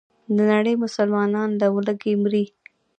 دنړۍ مسلمانان له ولږې مري.